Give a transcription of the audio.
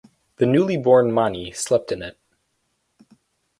The newly born Mani slept in it.